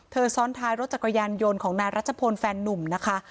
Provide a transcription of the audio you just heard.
ซ้อนท้ายรถจักรยานยนต์ของนายรัชพลแฟนนุ่มนะคะ